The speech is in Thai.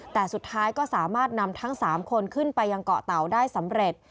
แต่สุดท้ายก็สามารถนำทั้ง๓คนขึ้นไปยังเกาะเตาได้สำเร็จ